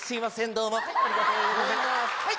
どうもありがとうございますはい。